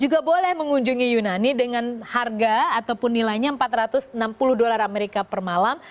juga boleh mengunjungi yunani dengan harga ataupun nilainya empat ratus enam puluh dolar amerika per malam